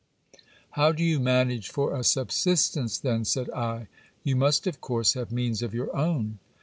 How do you manage for a subsistence, then? said I. You must of course have means of your own.